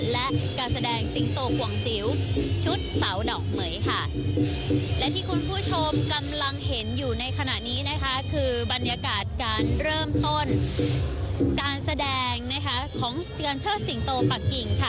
และที่คุณผู้ชมกำลังเห็นอยู่ในขณะนี้นะคะคือบรรยากาศการเริ่มต้นการแสดงของการเชิดสิงโตปะกิ่งค่ะ